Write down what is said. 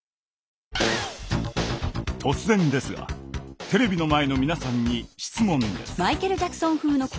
突然ですがテレビの前の皆さんに質問です。